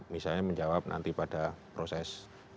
menjawab nanti pada proses